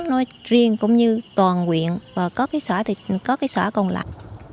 nói riêng cũng như toàn quyện và có cái xã thì có cái xã công lạc